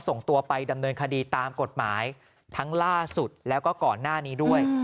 ส่งตัวไปดำเนินคดีตามกฎหมายทั้งล่าสุดแล้วก็ก่อนหน้านี้ด้วย